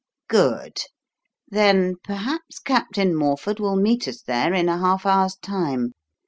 "Good! Then perhaps Captain Morford will meet us there in a half hour's time.